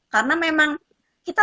karena memang kita